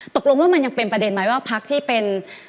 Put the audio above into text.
ตกลงว่ามันยังเป็นประเด็นไหมว่าพักที่เป็น